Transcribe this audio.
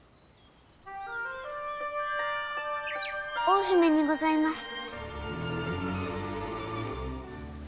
大姫にございます。